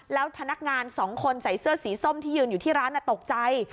แล้วพนักงานสองคนใส่เสื้อสีส้มที่ยืนอยู่ที่ร้านตกใจ